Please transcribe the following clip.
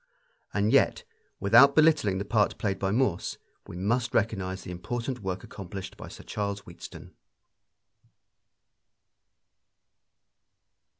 And yet, without belittling the part played by Morse, we must recognize the important work accomplished by Sir Charles Wheatstone.